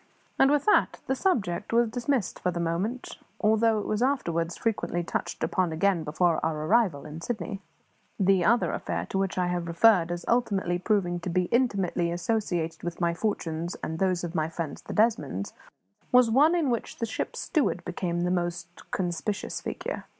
And with that the subject was dismissed for the moment, although it was afterwards frequently touched upon again before our arrival in Sydney. The other affair, to which I have referred as ultimately proving to be intimately associated with my fortunes and those of my friends the Desmonds, was one in which the ship's steward became the most conspicuous figure.